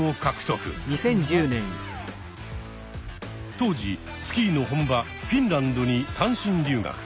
当時スキーの本場フィンランドに単身留学。